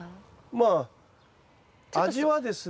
まあ味はですね。